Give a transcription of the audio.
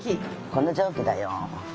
この蒸気だよ。